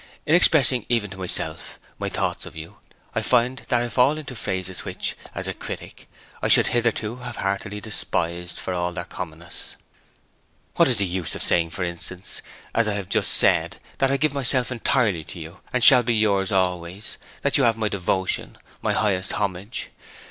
In expressing, even to myself, my thoughts of you, I find that I fall into phrases which, as a critic, I should hitherto have heartily despised for their commonness. What's the use of saying, for instance, as I have just said, that I give myself entirely to you, and shall be yours always, that you have my devotion, my highest homage?